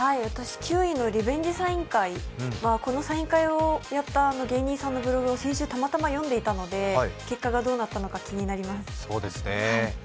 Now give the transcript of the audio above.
９位のリベンジサイン会、このサイン会をした芸人さんのブログを先週たまたま読んでいたので結果がどうなったのか気になります。